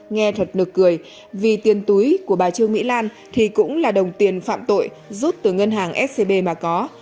nghe thật nực cười vì tiền túi của bà trương mỹ lan thì cũng là đồng tiền phạm tội rút từ ngân hàng scb mà có